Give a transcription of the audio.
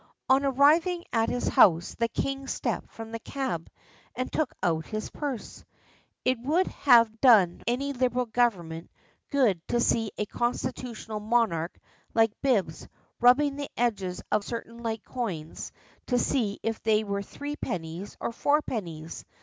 On arriving at his house the king stepped from the cab and took out his purse. It would have done any Liberal Government good to see a constitutional monarch like Bibbs rubbing the edges of certain light coins to see if they were threepennies or fourpennies.